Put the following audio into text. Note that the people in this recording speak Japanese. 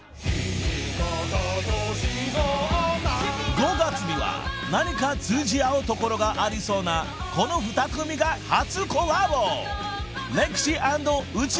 ［５月には何か通じ合うところがありそうなこの２組が初コラボ］